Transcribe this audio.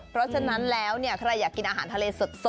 เพราะฉะนั้นแล้วใครอยากกินอาหารทะเลสด